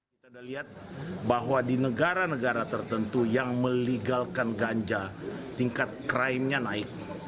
kita sudah lihat bahwa di negara negara tertentu yang melegalkan ganja tingkat krimnya naik